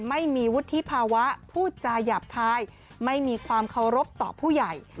ไม่มีวุฒิภาวะพูดจาหยาบคายไม่มีความเคารพต่อผู้ใหญ่